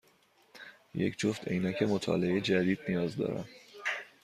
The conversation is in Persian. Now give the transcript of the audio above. یک جفت عینک مطالعه جدید نیاز دارم.